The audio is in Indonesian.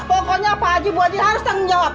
pokoknya pak haji bu adi harus tanggung jawab